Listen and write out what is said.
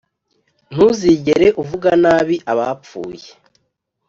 ntuzigere uvuga nabi abapfuye